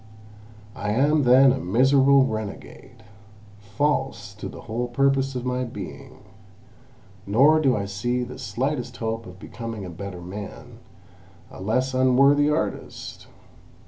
I am then a miserable renegade, false to the whole purpose of my being—nor do I see the slightest hope of becoming a better man, a less unworthy artist!